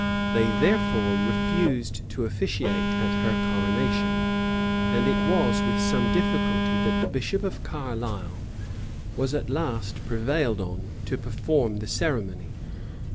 They therefore refused to officiate at her coronation; and it was with some difficulty that the bishop of Carlisle was at last prevailed on to perform the ceremony.